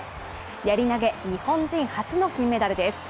やり投、日本人初の金メダルです。